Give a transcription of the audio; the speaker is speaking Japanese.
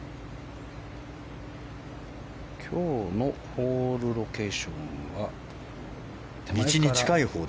今日のホールロケーションは。